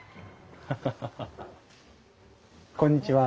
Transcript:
こんにちは。